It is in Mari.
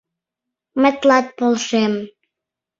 Мый тылат полшем.